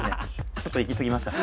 ちょっと行き過ぎました。